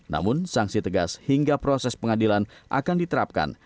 namun sanksi tegas hingga proses pengadilan akan diterapkan